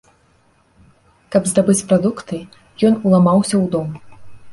Каб здабыць прадукты, ён уламаўся ў дом.